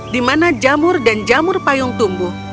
di mana jamur dan jamur payung tumbuh